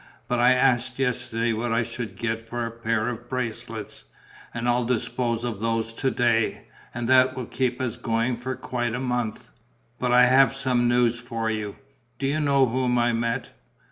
"But I asked yesterday what I should get for a pair of bracelets; and I'll dispose of those to day. And that will keep us going for quite a month. But I have some news for you. Do you know whom I met?"